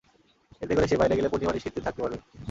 এতে করে সে বাইরে গেলে পূর্ণিমা নিশ্চিন্তে থাকতে পারবে।